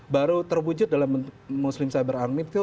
baru terwujud dalam muslim cyber army